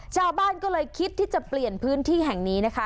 ชาวบ้านก็เลยคิดที่จะเปลี่ยนพื้นที่แห่งนี้นะคะ